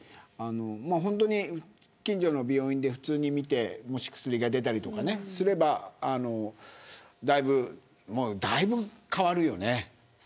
本当に近所の病院で普通に診てもし、薬が出たりとかすればだいぶ変わるよね。